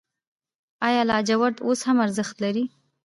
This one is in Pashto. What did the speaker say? آیا لاجورد اوس هم ارزښت لري؟